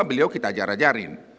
beliau kita ajar ajarin